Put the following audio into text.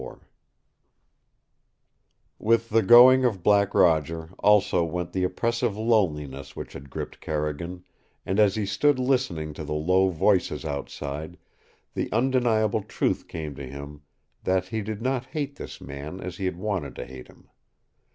XXIV With the going of Black Roger also went the oppressive loneliness which had gripped Carrigan, and as he stood listening to the low voices outside, the undeniable truth came to him that he did not hate this man as he wanted to hate him.